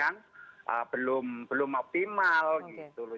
dan edukasinya yang belum optimal gitu loh